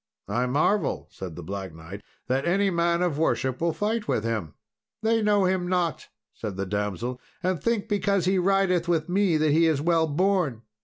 "I marvel," said the Black Knight, "that any man of worship will fight with him." "They know him not," said the damsel, "and think, because he rideth with me, that he is well born."